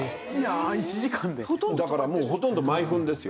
だからもうほとんど毎分ですよ。